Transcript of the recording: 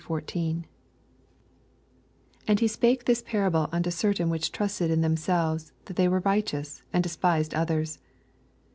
9 And he spake this parable unto "iertaiii which trusted in themselves .hat they were righteous, and de spised others.